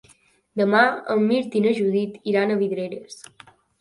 Demà en Mirt i na Judit iran a Vidreres.